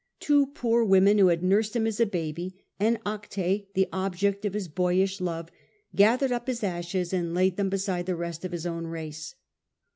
Two poor women, who had nursed him as a baby, and Acte, the object of his boyish love, gathered up his ashes and laid them beside the rest of his own race.